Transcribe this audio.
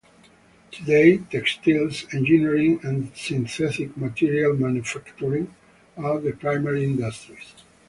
Today, textiles, engineering and synthetic material manufacturing are the primary industries.